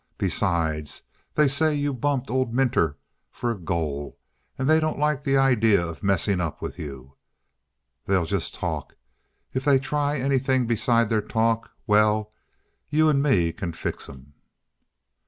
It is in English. Besides, they say you bumped old Minter for a goal; and they don't like the idea of messing up with you. They'll just talk. If they try anything besides their talk well, you and me can fix 'em!"